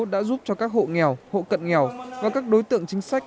đã giúp cho các hộ nghèo hộ cận nghèo và các đối tượng chính sách